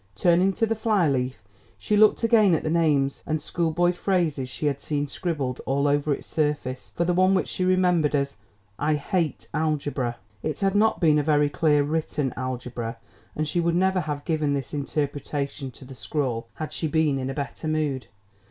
Turning to the fly leaf, she looked again at the names and schoolboy phrases she had seen scribbled all over its surface, for the one which she remembered as, I HATE ALGEBRA. It had not been a very clearly written ALGEBRA, and she would never have given this interpretation to the scrawl, had she been in a better mood.